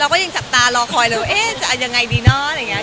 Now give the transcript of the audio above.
เราก็ยังจับตารอคอยเร็วเอ้ยจะยังไงดีเนาะอะไรเงิน